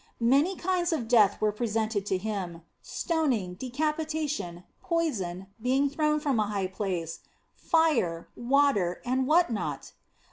Many kinds of death were pre sented to Him; stoning , decapitation, poison, being thrown from a high place, fire, water, and what not?